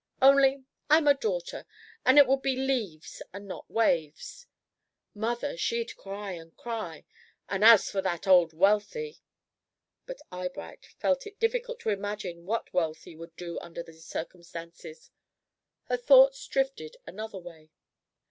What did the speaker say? Only, I'm a daughter, and it would be leaves and not waves! Mother, she'd cry and cry, and as for that old Wealthy" but Eyebright felt it difficult to imagine what Wealthy would do under these circumstances. Her thoughts drifted another way.